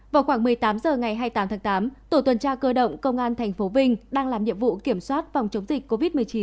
vào khoảng một mươi tám h ngày hai mươi tám tháng tám tổ tuần tra cơ động công an tp vinh đang làm nhiệm vụ kiểm soát phòng chống dịch covid một mươi chín